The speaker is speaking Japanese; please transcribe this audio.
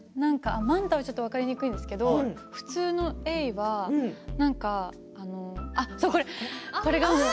マンタはちょっと分かりにくいんですが、普通のエイはそうそう、